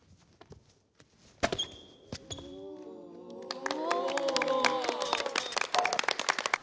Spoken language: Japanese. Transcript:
お！